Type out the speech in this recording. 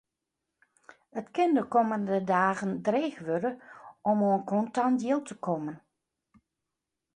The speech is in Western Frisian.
It kin de kommende dagen dreech wurde om oan kontant jild te kommen.